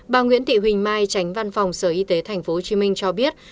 bà nguyễn thị huỳnh mai tránh văn phòng sở y tế tp hcm cho biết